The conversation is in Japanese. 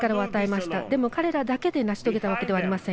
しかし彼らだけで成し遂げたのではありません。